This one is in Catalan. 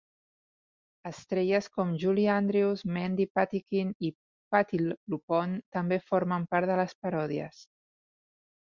Estrelles com Julie Andrews, Mandy Patinkin i Patti Lupone també formen part de les paròdies.